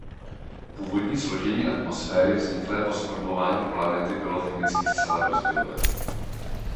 Původní složení atmosféry vzniklé po zformování planety bylo chemicky zcela rozdílné.